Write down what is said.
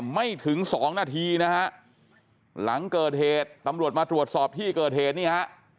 ไม่ถึงสองนาทีนะฮะหลังเกิดเหตุตำรวจมาตรวจสอบที่เกิดเหตุนี่ฮะ